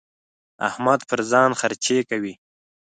احمد پر ځان خرڅې کوي.